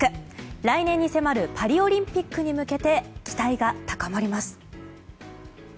来年に迫るパリオリンピックに向けて期待が高まります。